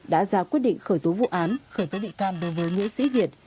đã ra quyết định khởi tố vụ án khởi tố bị can đối với nguyễn sĩ việt